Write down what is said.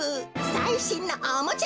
さいしんのおもちゃ。